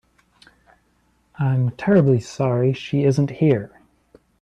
I'm terribly sorry she isn't here.